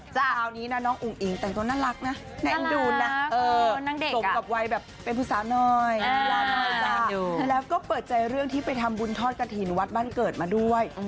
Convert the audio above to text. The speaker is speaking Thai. คราวนี้น้องอุหงกตัดตัวน่ารักน่ะน่ารักสมกับวัยแบบเป็นผู้สานอยแล้วก็เปิดใจเรื่องไปทำบุญธอดกระทินวัดบ้านเกิดมาด้วย